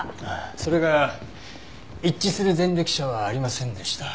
それが一致する前歴者はありませんでした。